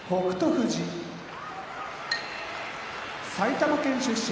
富士埼玉県出身